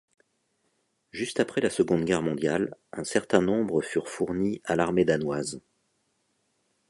Juste après la Seconde Guerre mondiale, un certain nombre furent fournis à l'Armée danoise.